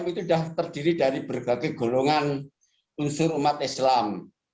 itu sudah terdiri dari berbagai golongan unsur umat islam